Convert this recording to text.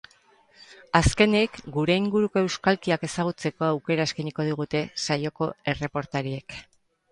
Azkenik, gure inguruko euskalkiak ezagutzeko aukera eskainiko digute saioko erreportariek.